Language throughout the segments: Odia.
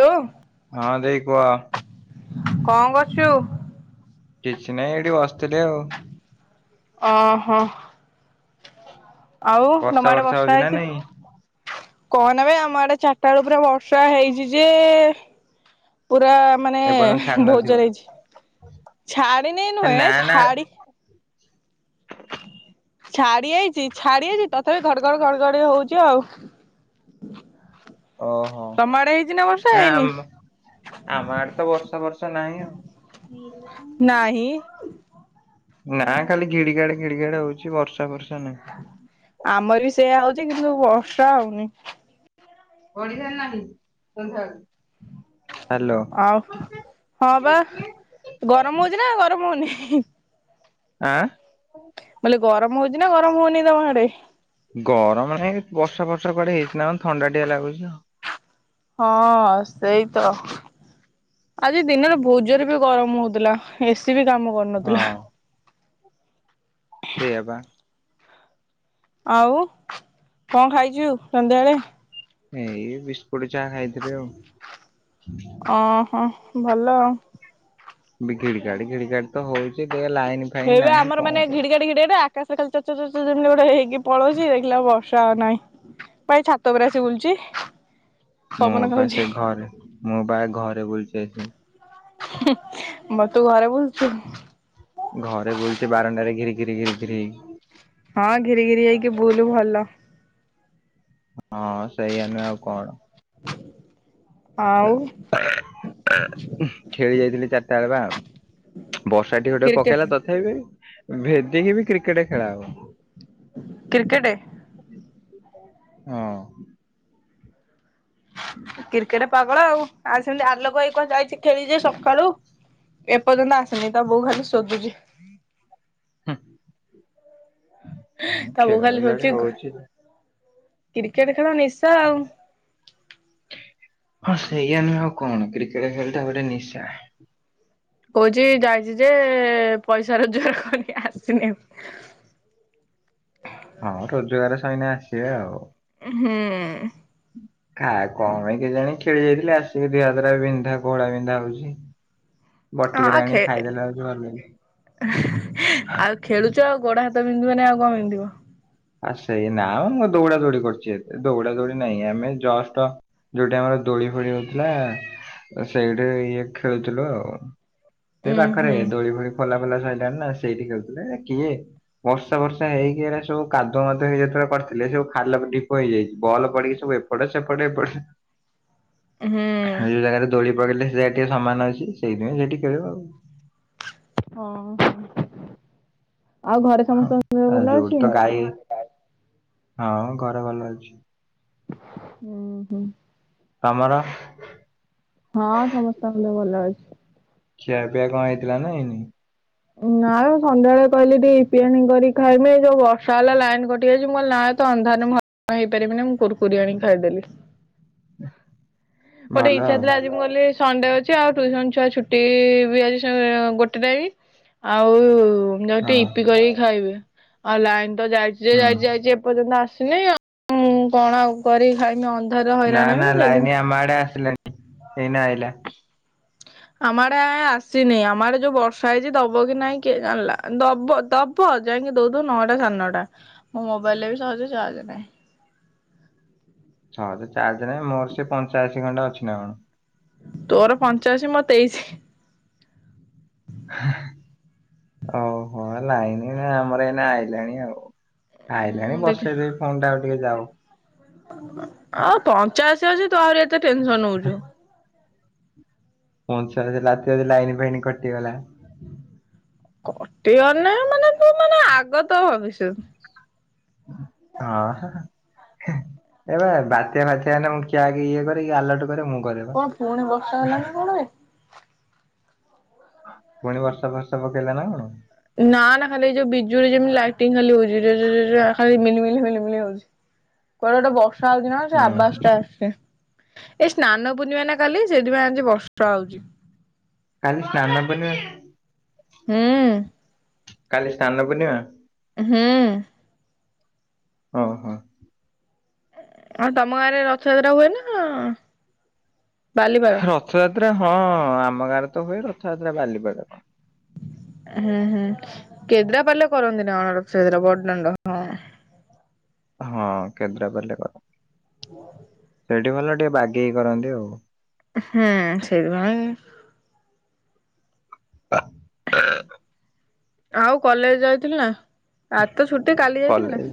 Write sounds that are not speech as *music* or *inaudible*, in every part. ତୁ ହଁ ଦେଈ କୁହ? କଣ କରୁଚୁ? କିଛି ନାହିଁ ଏଇଠି ବସିଥିଲି ଆଉ। ଓହୋ। ଆଉ ତମ ଆଡେ ବର୍ଷା ହେଇଚି ନା? କନହ ନା ଏବେ ଆମ ଆଡେ ଚାରିଟା ବେଳୁ ପୁରରେ ବର୍ଷା ହେଇଚି ଯେ ପୁରା ମାନେ ଏପର୍ଯ୍ୟନ୍ତ ଛାଡି ନଥିବ ଭୋଜ ହେଇଚି ଛାଡି ନେଇ ନା ନୁହେଁ ନା ଛାଡି ଛାଡି ଯାଇଚି ଛାଡି ଯାଇଚି ତଥାପି ଘଡଘଡ ଘଡଘଡି ହୋଉଚି ଆଉ। ଓହୋ। ତିନ ବର୍ଷା ନା ହେଇନି? ଆମ ଆମ ଆଡେ ତ ବର୍ଷା ବର୍ଷା ନାହିଁ ଆଉ। ନାହିଁ ନା ଖାଲି ଘିଡି ଗାଡେ ଘିଡି ଗାଡ ହୋଉଛି ବର୍ଷା ବର୍ଷା ନାହିଁ। ଆମର ବି ସେଇୟା ହୋଉଛି କିନ୍ତୁ ବର୍ଷା ହୋଉନି। ପଢିସାରିଲାଣି ସନ୍ଧ୍ୟାବେଳୁ ଆଉ ହଁ ପା ଗରମ ହୋଉଚି ନା ଗରମ ହୋଉନି? ଆଁ? ଗରମ ହୋଉଚି ନା ଗରମ ହୋଉନି ତମ ଆଡେ ଗରମ ନାଇ ବର୍ଷା ବର୍ଷା କୁଆଡେ ହେଇଚି ନା ଥଣ୍ଡା ଟଆ ଲାଗୁଚି ଆଉ। ହଁ ସେଇ ତ। ଆଜି ଦିନରେ ଭୋଜରେ ବି ଗରମ ହଉଥିଲା ଏସି ବି କାମ କରୁନଥିଲା। ସେଇୟାପା। ଆଉ କଣ ଖାଇଛୁ ସନ୍ଧ୍ୟାବେଳେ। ଏଇ ବିସ୍କୁଟ ଚାହା ଖାଇଥିଲେ ଆଉ। ଅ ହଁ ଭଲ ଅ। ବି କେଡ଼ି ଗାଡି ଗାଡି ତ ହଉଚି ଦେଖିଆ। ହେଇବେ ଆମର ମାନେ ଘିଡି ଘିଡ଼ି ଡେ ଆକାଶରେ ଖାଲି ଚଡ଼ ଚଡ଼ ଗୋଟେ ହେଇକି ପଳଉଛି ଦେଖିଲା ବର୍ଷ ପ୍ରାଏ ନାଇଁ ପା ଛାତ ଉପରେ ଆସ ବୁଲୁଛି। ମୋ ପବନ ପା ଖାଉଛି। ସେ ଘରେ ମୋ ପା ଘରେ ବଛସି। ହୁଁ ମତୁ ଘରେ ବୁଲୁଛୁ। ଘରେ ବଛି ବାରାନଣ୍ଡାରେ ଘିରି ଘିରି ଘିରି ଘରିି ହେଇକି। ହଁ ଘିରି ଘିରି ହେଇକି ବୁଲୁ ଭଲ। ହଁ ସେଇଆ ନୁଁ ଆଉ କଣ। ଆଉ ଖେଳି ଯାଇଥିଲି ଚାରିଟା ବେଳ ବା। ବର୍ଷା ଟି ଗୋଟେ କ୍ରିକେ ପକେଇଲା ତଥାପି ଭେଦିକି ବି କ୍ରିକେଟ ଖେଳା ହବ। କ୍ରିକେଟେ। ହଁ। କ୍ରିକେଟ ପାଗଳ ଆଉ ଆଉ ସେମତି ଆଲୋକ ଭାଇ କୁଆ ଯାଇଛି ଖେଳିଛି ସକାଳୁ। ଏପର୍ଯ୍ୟନ୍ତ ଆସନି ତ ବୋଉ ଖାଲି ଶୋଦୁଛି। ହଁ। ତାବୁ ଖାଲି ଶୋଦୁଛି କ୍ରିକେଟ ଖେଳ ନିଶା ଆଉ। ହଁ ସେଇଆ ନୁହେଁ ଆଉ କଣ କ୍ରିକେଟ ଖେଳଟ ଗୋଟେ ନିଶା। କହୁଛି ଯାଇଛି ଯେ ପଇସା ରୋଜଗାର କରିିକି ଆସିନି ଏପ୍ରଯ୍ୟନ୍ତ। ହ ହଁ ରୋଜଗାର ସଇନେ ଆସିବେ ଆଉ। ହୁଁ। ଖା କଣ ପାଇଁ କେ ଜାଣି ଖେଳି ଯାଇଥିଲି ଆସିକି ଦିହ ହାତ ବିନ୍ଧା କୋଳା ବିନ୍ଧା ହଉଛି। ହଁ ବଟିକାଟେ ଆ ଆଣି ଖେ ଖାଇଦେଲେ ହଉଛି ଭଲ ଲାଗେ। ଆଉ ଖେଳୁଛ ଆଉ। ବୋଡ ହାତ ବିନ୍ଧିବ ନାାଇ ଆଉ କଣ ବିନ୍ଧିବ। ଆ ସେଇ ନା ଆମ ଦୌଡା ଦୌଡି କରିୁଛି ଦୌଡା ଦୌଡି ନାହିଁ ଆମେ ଜଷ୍ଟ ଯୋଉଠି ଆମର। ଦୋଳି ଫୋଳି ହଉଥିଲା ସେଇଠି ଇଏ ଖେଳୁଥିଲୁ ଆଉ। ସେ ଉଁ ପାଖରେ ହୁଁ ଦୋଳି ଫୋଳି ଖୋଲା ଖୋଲା ସିଲାଣି ନା ସେଇଠି ଖେୁଥିଲେ କିଏ ବର୍ଷା ବର୍ଷା ହେଇକି ହେରା ସବୁ। କାଦୁ ମାଦୁଆ ହେଇ ଯେତେବେଳେ କରିଥିଲେ ସେସଉ ଖାଲ ଢିପ ହେଇଯାଇଛି ବଲ ପଡିକି ସବୁ ଏପଟ ସେପଟ ଏପଟ ସେ ହୁଁ। ସେ ଓଉ ଜାଗାରେ ଦୋଳି ପକେଇଲେ ସେ ଜାଗା ଟିକେ ସମାନ ଅଛି ସେଇଥି ପାଇଁ ସେଠି ଖେଳିବୁ ଆଉ। ହଁ। ଆଉ ଘରେ ହଁ ସମସ୍ତଙ୍କ ଦିହ ଆଉ ଭଲ ଯୋଉଠି ଅଛି। ତ ଗାଈ ହଁ ଘରେ ଭଲ ଅଛି। ଉଁ-ହୁଁ। ତମର। ହଁ ସମସ୍ତେ ଦେହ ଭଲ ଅଛି। ଖିଆ ପିଆ କଣ ହେଇଥିଲା ନା ହେଇନି। ନାଁ ମୁଁ ସନ୍ଧ୍ୟାବେଳେ କହିଲେ ଟିକେ ଇପି ଆଣିକି କରି ଖାଇଵା ପାଇଁ ଏ ଯୋଉ ବର୍ଷା ହେଲା ଲାଇନ କଟି ଯାଇଛି ମୁଁ ନାଁ ତ ଅନ୍ଧାରେ ମୁଁ ହଇରାଣ ହେଇପାରିବିନି ମୁଁ କୁର୍କୁରି ଆଣି ଖାଇଦେଲି। ଗୋଟେ ଭଲ ଇଚ୍ଛା ଆଉ ଥିଲା ଆଜି ମୁଁ ଗଲି ଏ ସଣ୍ଡେ ଅଛି ଆଉ ଟ୍ୟୁସନ ଛୁଆ ଛୁଟି ଇ ବି ଆଜି ସଁ ଗୋଟେ ଟାଇମ୍ ଆଉ। ଯାଉଛି ହଁ ଟିକେ ଇପି କରିକି ଖାଇବେ ଆଉ ଲାଇନ ତ ଯାଇଛି ଯେ ହୁଁ ଯାଇଚି ଯାଇଚି ଏପର୍ଯ୍ୟନ୍ତ ଆସିନି। ନାଇଁ ଆଉ ମୁଁ କଣ କରି ଖାଇବି ଅନ୍ଦାରେ। ନା ନା ଲାଇନି ଆମ ଆଡେ ଆସିଲାନି। ହେଇନେ ଆଇଲା। ଆମର ଆଏଁ ଆସିନି। ଆମର ଯୋଉ ବର୍ଷା ହେଇଚି, ଦବ କି ନାଇଁ କିଏ ଜାଣିଲା, ଦବ ଦବ- ଯାଇକି ଦଉଦଉ ନଅଟା ସାଡ୍ ନଅଟା। ମୋ ମୋବାଇଲରେ ବି ସହଜେ ଚାର୍ଜ ନାହିଁ। ସହଜେ ଚାର୍ଜ ନାହିଁ। ମୋର ସେ ପଞ୍ଚାଅଶୀ ଖଣ୍ଡେ ଅଛି ନା କଣ? ତୋର ପଞ୍ଚାଅଶୀ, ମୋର୍ ତେଇଶି। ହା ହା ଅଉହୋ ଲାଇନ ଏଁ ଆମର ଏଇନେ ଆଇଲାଣି ଆଉ। ଆଇଲାଣି ମୁଁ ଦେଖେ ବସେଇଦେବି ଫୋନ୍ ଟା ଆଉ ଟିକେ ଯାଉ। ଆଉ ପଞ୍ଚାଆଶୀ ଅଛି। ତୁ ଆହୁରି ଏତେ ଟେନସନ୍ ନଉଛୁ। ପଞ୍ଚାଅଶି, ରାତିରେ ଯଦି ଲାଇନ ଫାଇନ କଟିଗଲା। କଟିହନି ମାନେ ତୁ ମାନେ ଆଗତ ଭବିଷ ହଁ ହିଁ ହିଁ। ଏ ଏବେ ବାତ୍ୟା ଫାତିଆ ହେଲେ, ମୁଁ କିଏ ଆଗେ ଇଏ କରେ କି, ଆଲର୍ଟ କରେ ମୁଁ। କରେ ବା। କଣ ପୁଣି ବର୍ଷା ହେଲାଣି ନା କଣବେ। ପୁଣି ବର୍ଷା ଫର୍ଷା ପକେଇଲା ନା କଣ? ନା ନା ଖାଲି ଏଇ ଯୋଉ ବିଜୁଳି ଯେମତି ଲାଇଟିଙ୍ଗ୍ ଖାଲି ହଉଛି। ରେରେ ରେରେ ଏ ଖାଲି ମିନି ମିନି ମିନି ମିନି ହଉଛି। କୁଆଡେ ଗୋଟେ ବର୍ଷା ହଉଛି ନା କଣ୍ ସେ ଆବାଜ ଟା ଆସୁଛି। ଏଇ ସ୍ନାନ ପୂର୍ଣ୍ଣିମା ନା କାଲି, ସେଇତିପାଇଁ ଆଜି ବର୍ଷା ହଉଛି। କାଲି *unintelligible* ସ୍ନାନ ପୂର୍ଣ୍ଣିମା ହୁଁ କାଲି ସ୍ନାନ ପୂର୍ଣ୍ଣିମା। ହୁଁ। ହଁ ହଁ। ଆ ତମ ଗାଁରେ ରଥଯାତ୍ରା ହୁଏ ନା-ଆ-ଆ? ରଥଯାତ୍ରା, ହଁ-ଅ-ଅ-ଅ ଆମ ଗାଁରେ ତ ହୁଏ ରଥଯାତ୍ରା ବାଲିପାଟଣା। ହୁଁ ହୁଁ କେଦ୍ରା ପାଲେ କରନ୍ତି ନା କଣ? ରଥଯାତ୍ରା ବଡ ଡାଣ୍ଡ। ହଁ ହଁ କେନ୍ଦ୍ରାପାଲିରେ କର ସେଇଠି ଭଲରେ ଟିକେ ବାଗେଇି କରନ୍ତି ଆଉ। ହୁଁ ସେ *unintelligible* ଅ *unintelligible* ଆଉ କଲେଜ ଯାଇଥିଲୁ ନା? ଆଜି ତ ଛୁଟି କାଲି ଯାଇଥିଲୁ ନା? କଲେଜ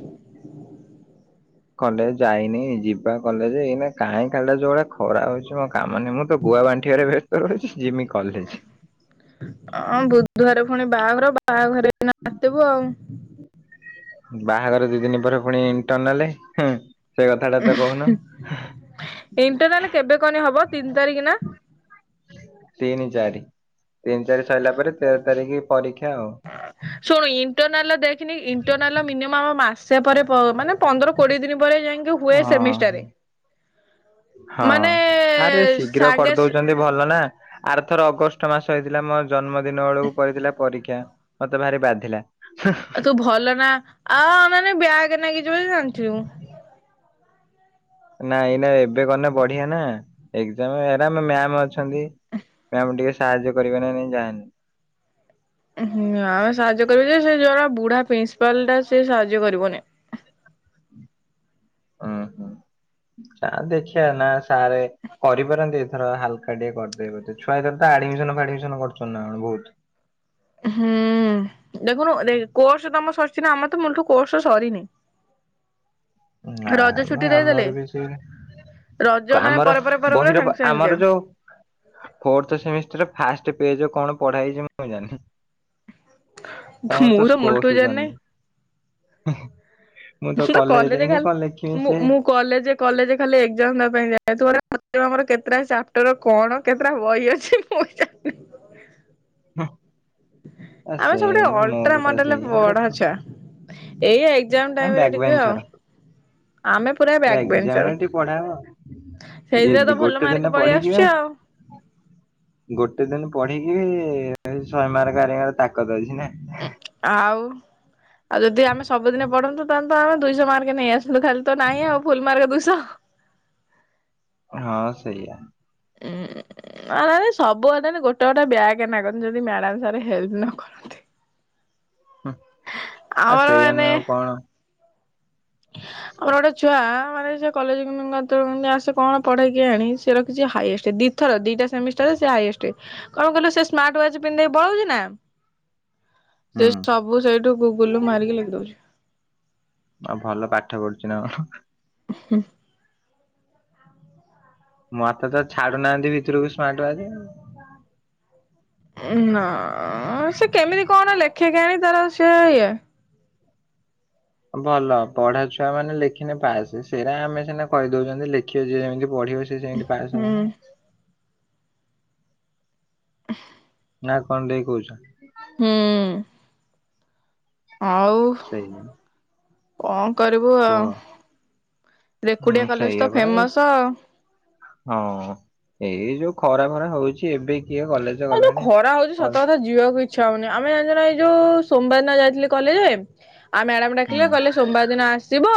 କଲେଜ ଯାଇନି। ଯିବା କଲେଜେ ଏଇନା କାଇଁ ଖାଲିଟା ଯୋଉରା ଖରା ହେଉଛି ମୋ କା ମାନେ ମୁଁ ତ ଗୋଆ ଆ ବାଣ୍ଟିଆ ରେ ବ୍ୟସ୍ତ ରହୁଛି ଯିମି କଲେଜ। ଅଁ ବୁଧବାର ପୁଣି ବାହାଘର। ବାହାଘରେ ଏଇନା ମାତିବୁ ଆଉ। ବାହାଘର ଦି ଦିନ ପରେ ପୁଣି ଇଣ୍ଟରନାଲେ ହୁଁ ସେ କଥାଟା ତ କହୁନ। ଇଣ୍ଟରନାଲ କେବେ କହନି ହବ ତିନି ତାରିଖ ନା? ତିନି ଚାରି। ତିନି ତାରିଖ ସରିଲା ପରେ ତେର ତାରିଖ ପରୀକ୍ଷା ଆଉ ଶୁଣୁ ଇଣ୍ଟରନାଲ ଦେଖେନି ଇଣ୍ଟରନାଲ ମିନିମମ୍ ମାସେ ପରେ ପ ମାନେ ପନ୍ଦର କୋଡ଼ିଏ ଦିନ ପରେ ଯାଇକି ହୁଏ ହଁ। ସେମିଷ୍ଟାରେ ହଁ ମାନେ ଆରେ ଶୀଘ୍ର ସାଙ୍ଗେ କରିଦଉଛନ୍ତି ଭଲ ନା। ଆରଥର ଅଗଷ୍ଟ ମାସ ହେଇଥିଲା ମୋ ଜନ୍ମଦିନ ବେଳକୁ କରିଥିଲା ପରୀକ୍ଷା ମତେ ଭାରି ବାଧିଲା। ଆଉ ତୁ ଭଲ ନା ଆ-ଆ ମାନେ ବ୍ୟାଗ୍ ନେଇକି ଯିବା ଜାଣିଚୁ। ନାଇଁ ଏଇନା ଏବେ କଣ ବଢ଼ିଆ ନା ଏଜ୍ଜାମ ରେ ଏରା ମ୍ୟାମ୍ ଅଛନ୍ତି। ଏ ଆମକୁ ଟିକେ ସାହାଯ୍ୟ କରିବେ ନା ନାଇଁ ଯାହେଲେ। ହୁଁ ଆମେ ସାହାଯ୍ୟ କରିବୁ ଯେ ସେ ଜର ବୁଢ଼ା ପ୍ରିନ୍ସିପାଲ ଟା ସେ ସାହାଯ୍ୟ କରିବନି। ହଁ ହୁଁ। ସାର୍ ଦେଖିବା ନା ସାର୍ କରିପାରନ୍ତି ଏଥର ହାଲକା ଟିକେ କରିଦେବେ ବୋଧେ ଛୁଆ ଏ ତା ଆଡ଼ମିଶନ ଫାଡ଼ମିଶନ କରୁଛନ୍ତି ନାଁ କଣ ବହୁତ। ହୁଁ। ହୁଁ ଦେଖୁନୁ କୋର୍ସ ତମ ସରିଛି ନା ଆମର ତ ମୂଳଠୁ କୋର୍ସ ସରିନି। ନା ରଜ ମ ଛୁଟି ଦେଇଦେଲେ ଆମର ବି ସେ ରଜ ମାନେ ଆମର ପରେ ପରେ ପରେ ପରେ ବହିର ସାଙ୍ଗେ ସାଙ୍ଗେ ଆମର ଯୋଉ ଫୋର୍ଥ ସେମିଷ୍ଟାର ଫାଷ୍ଟ ପେଜ କଣ ପଢ଼ା ହେଇଛି ମୁଁ ଜାଣନି? ଏକ୍ଜାମ ତମର ତ ମୁଁ ମୁଲଠୁ ସ୍କୋରସ ଜାଣିନି ସରିନି ମୁଁ ତ କଲେଜ ଖାଲି ଯାଇନି କଣ ଲେଖିବି ମୁଁ ସେ ମୁଁ କଲେଜେ କଲେଜେ ଖାଲି ଏଜ୍ଜାମ୍ ଦବା ପାଇଁ ଯାଏ ଥୋଡା ଆମର କେତେଟା ଚାପ୍ଟର କଣ କେତେଟା ବହି ଅଛି ମୁଁ ଜାଣନି। ହଁ। ଆମେ ସବୁ ଟିକେ ଅଲଟ୍ରା ମୋର ପା ମଡେଲ ସେଇଆ ଆରେ ପଢ଼ା ଛୁଆ, ଏଇଆ ଏକ ଏକ୍ସାମ ଟାଇମ ରେ ବ୍ୟାକ୍ ଟିକେ ବେଞ୍ଚର ଆଉ, ଆମେ ପୁରା ବ୍ୟାକ ଏକ୍ଜାମ ରେ ବେଞ୍ଚର। ଟିକେ ପଢା ହବ ଯେ ସେଇଥିରେ ତ ଭଲ ଗୋଟେ ଦିନ ମାର୍କ ପଳେଇ ପଢିକି ବା ଆସୁଛି ଆଉ। ଗୋଟେ ଦିନ ପଢ଼ିକି ବି ଶହେ ମାର୍କ ଆଣିବାର ତାକତ ଅଛି। ନା। ଆଉ। ଆଉ ଯଦି ଆମେ ସବୁଦିନ ପଢ଼ନ୍ତୁ ତାହେଲେ ଆମେ ଦୁଇଶ ମାର୍କ ନେଇ ଆସନ୍ତୁ, ଖାଲି ତ ନାହିଁ ଆଉ ଫୁଲ ମାର୍କ ଦୁଇଶ ହଁ ସେଇଆ। ଉଁ। ନାଁ ନାଁ ସବୁ ହେଇଥାନ୍ତା ଗୋଟେ ଗୋଟେ ବ୍ୟାକ୍ ଲାଗନ୍ତା ଯଦି ମ୍ୟାଡ଼ାମ ସାର୍ ହେଲ୍ପ ନ କରନ୍ତେ। *inaudible* ହୁଁ ଆଉ ସେଇଆ ନୁହେଁ ଆଉ କଣ? ହ *inaudible* ଆମର ଗୋଟେ ଛୁଆ ମାନେ ସେ କଲେଜ *unintelligible* କେତେବେଳେ ଆସେ କଣ ପଢ଼େ କେଜାଣି ସେ ରଖିଛି ହାଇଏଷ୍ଟ ଦି ଥର ଦିଟା ସେମିଷ୍ଟାର ରେ ସେ ହାଇଏଷ୍ଟ କଣ କହିଲ ସେ ସ୍ମାର୍ଟ ୱାଚ ପିନ୍ଧି ପଳଉଛି ନା ସେ ହୁଁ ସବୁ ସେଇଠୁ ଗୁଗୁଲ ମାରିକି ଲେଖି ଦଉଛି। ଆଉ ଭଲ ପାଠ ପଢୁଛି ନା କଣ? ହୁଁ। ମତେ ତ ଛାଡୁ ନାହାନ୍ତି ଭିତୁରକୁ ସ୍ମାର୍ଟ ୱାଚେ ଆଉ ନା ସେ କେମତି କଣ ଲେଖେ କେଜାଣି ତାର ସେ ଏଇଆ ଭଲ ପଢ଼ା ଛୁଆ ମାନେ ଲେଖିନା ପାସେ ସେଇରା ଆମେ ସିନା କହି ଦଉଛନ୍ତି ଲେଖିବ ଯିଏ ଯେମତି ପଢ଼ିବ ସେ ସେମତି ପାସ ହବ ହୁଁ ନା। ଆହା। ନା କଣ ଦେଇ କହୁଛ? ହୁଁ। ହଉ, ସେଇ କଣ କରିବୁ କୁହ ଆଉ। ରେକୁଡିଆ ହୁଁ କଲେଜ ସେଇଆ ତ ପରା ଏ ଫେମସ। ହଁ। ଏଇ ଯୋଉ ଖରା ଫରା ହଉଛି ଏବେ କିଏ କଲେଜ ଆଉ ଯୋଉ ଗଲାଣି ଖରା ହଉଛି ସତ କଲ୍ କଥା ଯିବାକୁ ଇ ଛା ହଉନି ଆମେ ଯାଇଥିଲୁ ଏଇ ଯୋଉ ସୋମବାର ଦିନ ଯାଇଥିଲି କଲେଜେ ଆଉ ମ୍ୟାଡ଼ାମ ହୁଁ। ଡାକିଲେ କହିଲେ ସୋମବାର ଦିନ ଆସିବ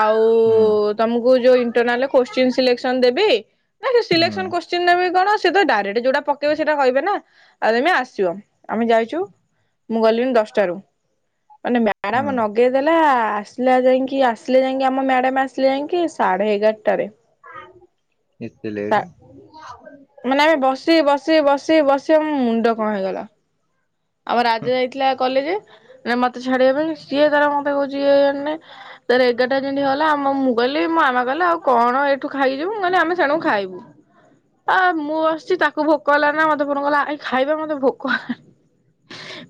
ଆଉ ହୁଁ ତମକୁ ଯୋଉ ଇଣ୍ଟରନାଲ କୋଶ୍ଚିନ୍ ସିଲେକ୍ସନ ଦେବି ସେ ସିଲେକ୍ସନ ହୁଁ କୋଶ୍ଚିନ ଦେବେ କି କଣ ସେ ତ ଡାଇରେକ୍ଟ ଯୋଉଟା ପ ତ ସେଇଟା କହିବେ ନା ଆଉ ତମେ ଆସିବ ଆମେ ଯାଇଛୁ ମୁଁ ଗଲିଣିି ଦଶଟାରୁ ମାନେ ମ୍ୟାଡ଼ମ ହୁଁ ନଗେଇ ଦେଲା ଆସିଲା ଯାଇକି ଆସିଲେ ଯାଇକି ଆମ ମ୍ୟାଡ଼ମ୍ ଆସିଲେ ଯାଇକି ସାଢ଼େ ଏଗାରଟାରେ। ଏତେ ଲେଟେ। ମାନେ ଆମେ ବସି ବସି ବସି ବସି ଆମ ମୁଣ୍ଡ କଣ ହେଇଗଲା। ଆମ ରାଜା ଯାଇଥିଲା କ ଲେଜେ ମତେ ଛାଡିବା ପାଇଁ ସିଏ ତାର ମତେ କହୁଛି *unintelligible* ଜାଣ ତାର ଏଗାରଟା ଯେମତି ହେଲା ଆମ ମୁ ବୋଲି ମୋ ମାମା କହିଲେ ଆଉ କଣ ଏଇଠୁ ଖାଇଯିବୁ କହିଲେ ଆମେ ସେଣୁ ଖାଇବୁ ଆ ମୁଁ ଆସିଛି ତାକୁ ଭୋକ ହେଲା ନା ମତେଫୋନ କଲା ଏ ଖାଇବା ମତେ ଭୋକ ହେଲାଣି।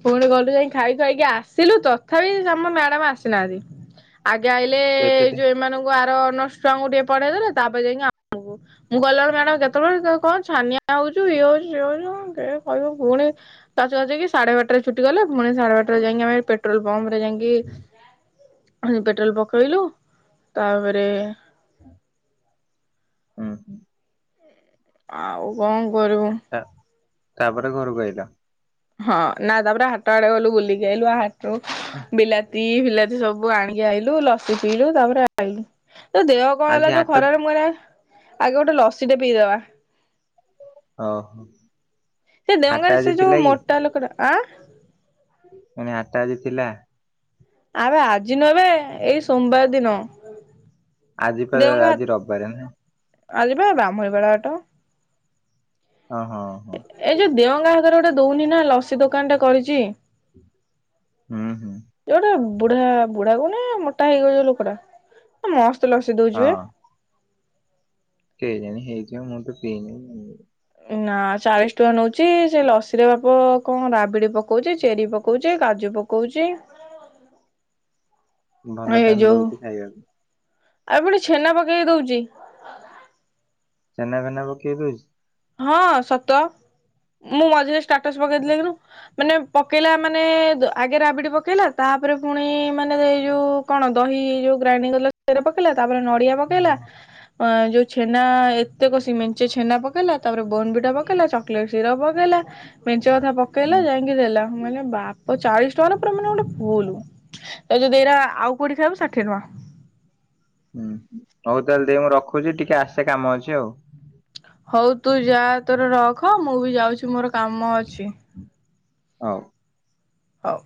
ପୁଣି ଗଲୁ ଯାଇ ଖାଇ ଖୁଆକି ଆସିଲୁ ତଥାପି ଆମ ମ୍ୟାଡାମ ଆସିନାହାନ୍ତି ଆଗେ ଆଇଲେ ହୁଁ ଏତେ ଏଇ ଟେ ଯୋଉ ଏମାନଙ୍କୁ ଆର ଅନର୍ସ ଛୁଆଙ୍କୁ ଟିକେ ପଢେଇ ଦେଲେ ତାପରେ ଯାଇକି ଆମକୁ ମୁଁ ଗଲାବେଳେ ମ୍ୟାଡାମ ଯେତେବେଳେ କଣ ଛାନିଆ ହଉଚୁ ଇଏ ହଉଚୁ ସିଏ ହଉଚୁ କିଏ କହିବ ଫୁଣି ତା ଯାଇକି ସାଢେ ବାରଟାରେ ଛୁଟି ଗଲେ ପୁଣି ସାଢେ ବାରଟାରେ ଯାଇକ ଆମେଟ୍ରୋଲ ପମ୍ପ ରେ ଯାଇକି ପେଟ୍ରୋଲ ପକେଇଲୁ ତାପରେ ହୁଁ ହୁଁ, ଆଉ କଣ କରିବୁ ତା ତାପରେ ଘରୁକୁ ଆଇଲ। ହଁ ନା ତାପରେ ହାଟ ଆଡେ ଗଲୁ ବୁଲିକି ଆଇଲୁ ହାଟରୁ ବିଲାତି ପି ବିଲାତି ସବୁ ଆଣିକି ଆଇଲୁ ଲସି ପିଇଲୁ ତାପରେ ଆଇଲୁ ଯୋଉ ଦେହ କଣ ହେଲା ଆଜି ଯୋଉ ହାଟ ଖରାରେ ମୁଁ ଆଗେ ଗୋଟେ ଲସିଟେ ପିଇଦବା ଅ ହୋ ସେ ଦେଓଗାଁରେ ସେ ଯୋଉ ମୋଟା ଲୋକଟା ଆଁ ଏଣେ ଆଠଟା ଆଜି ଥିଲା ଆବେ ଆଜି ନୁହେଁ ବେ ଏଇ ସୋମବାର ଦିନ ଆଜି ପରା ଆଜି ରବିବାର ନୁହେଁ ଆଜିି ପା ବ୍ରାହ୍ମଣୀପାଳ ହାଟ। ଓଁ ହଁ ହଁ। ଏଇ ଯୋଉ ଦେଓଗାଁ ହକାରେ ଗୋଟେ ଦଉନି ନା ଲସି ଦୋକାନ ଟା କରିଚି। ହୁଁ ହୁଁ ଯୋଉଟା ବୁଢା ବୁଢା କଣନା ମୋଟା ହେଇକି ଯୋଉ ଲୋକଟା ମସ୍ତ ତ ଲସି ଦଉଚି ବା କେ ଜାଣି ହେଇଥିବ ମୁଁ ତ ପିଇନି ନା ଚାଳିଶ ଟଙ୍କା ନଉଛି ସେ ଲସିରେ ବାପ କଣ ରାବିଡ଼ି ପକଉଛି ଚେରି ପକଉଛି କାଜୁ ପକଉଛି ଭଲ ଏଇ ତାହେଲେ ଯୋଉ ଦଉଛି ଖାଇବାକୁ। ଆଉ ପଟେ ଛେନା ପକେଇ ଦଉଛି ଚେନା ଫେନା ପକେଇ ଦଉଛି ହଁ ସତ ମୁଁ ମଝିରେ ଷ୍ଟାଟସ ପକେଇଥିଲି ଦେକୁନୁ ମାନେ ପକେଇଲା ମାନେ ଆଗେ ରାବିଡ଼ି ପକେଇଲା ତାପରେ ପୁଣି ମାନେ ଏ ଯଉ କଣ ଦହି କି ଯୋଉ ଗ୍ରାଇଡିଂ କରି ଦେଲା ସେରା ପକେଇଲା ତାପରେ ନଡିଆ ପକେଇଲା ଯୋଉ ଛେନା ଏତେ କସିକି ମେଞ୍ଚେ ଛେନା ପ ପକେଇଲା ତାପରେ ବୋନ ବିଟା ପକେଇଲା ଚକଲେଟ୍ କ୍ଷୀର ପକେଇଲା ମେଞ୍ଚ କଥା ପକେଇଲା ହୁଁ ଯାଇକି ଦେଲା ମାନେ ବା ଓ ଚାଳିଶ ଟଙ୍କାର ପୁରା ମାନେ ଗୋଟେ ଫୁଲୁ। ଏ ଯଦି ଏଇରା ଆଉ କୋଉଠି ଖାଇବୁ ଷାଠିଏ ଟଙ୍କା। ହୁଁ ହଉ ତାହେଲେ ଟିକେ ମୁଁ ରଖୁଛି ଟିକେ ଆସେ କାମ ଅଛି ଆଉ। ହଉ ତୁ ଯା ତୋର ରଖ ମୁଁ ବି ଯାଉଛି ମୋର କାମ ଅଛି। ହଉ। ହଉ।